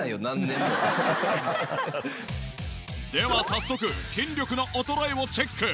では早速筋力の衰えをチェック。